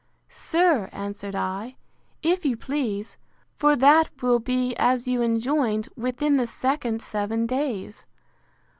Sir, answered I, if you please; for that will be, as you enjoined, within the second seven days.